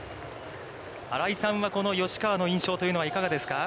新井さんは、吉川の印象はいかがですか。